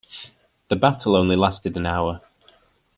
The battle only lasted an hour.